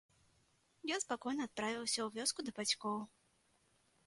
Я спакойна адправіўся ў вёску да бацькоў.